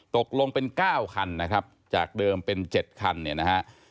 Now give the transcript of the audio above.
ตกลงเป็น๙คันนะครับจากเดิมเป็น๗คันเนี่ยนะฮะ